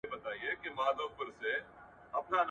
د فشار کمول زده کېدای شي.